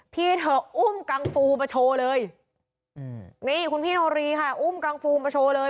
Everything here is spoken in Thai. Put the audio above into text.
พี่เถอะอุ้มกังฟูมาโชว์เลยนี่คุณพี่โนรีค่ะอุ้มกังฟูมมาโชว์เลย